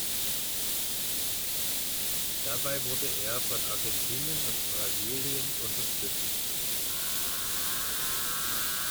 Dabei wurde er von Argentinien und Brasilien unterstützt.